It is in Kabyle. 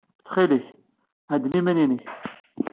Ttxil-k, hedden iman-nnek.